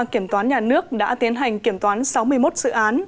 kiểm toán nhà nước đã tiến hành kiểm toán sáu mươi một dự án